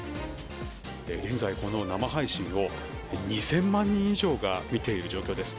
現在、この生配信を２０００万人以上が見ている状況です。